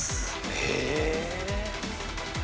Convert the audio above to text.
へえ。